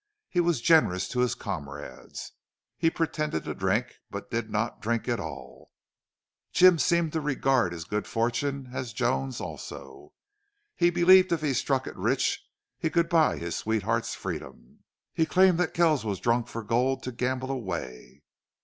He was generous to his comrades. He pretended to drink, but did not drink at all. Jim seemed to regard his good fortune as Joan's also. He believed if he struck it rich he could buy his sweetheart's freedom. He claimed that Kells was drunk for gold to gamble away.